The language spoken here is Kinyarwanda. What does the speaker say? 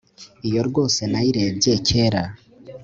iyo rwose nayirebye kera